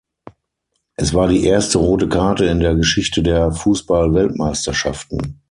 Es war die erste rote Karte in der Geschichte der Fußball-Weltmeisterschaften.